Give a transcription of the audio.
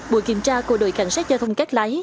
buổi kiểm tra của đội cảnh sát giao thông các lái